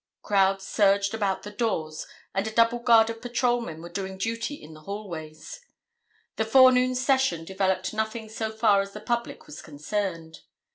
Crowds surged about the doors and a double guard of patrolmen were doing duty in the hallways. The forenoon session developed nothing so far as the public was concerned.